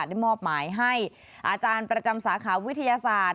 ได้มอบหมายให้อาจารย์ประจำสาขาวิทยาศาสตร์